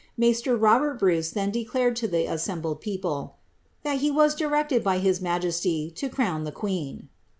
Maister Kol.ien Bruce then declared lo ihe ai pcmbled people, Mhat he. was direcicd. by his majesty, to crown ihe queen.'